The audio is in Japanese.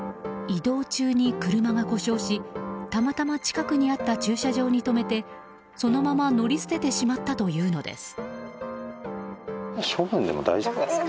移動中に車が故障したまたま近くにあった駐車場に止めてそのまま乗り捨ててしまったというのです。